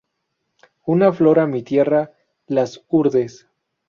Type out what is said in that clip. Una flor a mi tierra: "Las Hurdes".